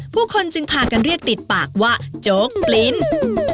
ผู้คนจึงพากันเรียกติดปากว่าโจ๊กปลิ้น